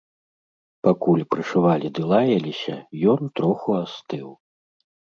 Пакуль прышывалі ды лаяліся, ён троху астыў.